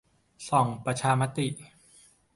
ส่องประชามติ